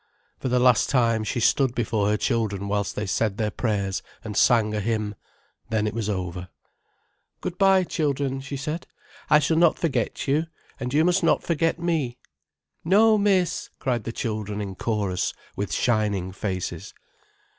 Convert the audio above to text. For the last time, she stood before her children whilst they said their prayers and sang a hymn. Then it was over. "Good bye, children," she said. "I shall not forget you, and you must not forget me." "No, miss," cried the children in chorus, with shining faces.